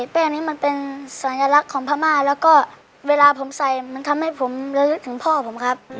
แป้งนี้มันเป็นสัญลักษณ์ของพม่าแล้วก็เวลาผมใส่มันทำให้ผมระลึกถึงพ่อผมครับ